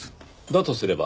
とすれば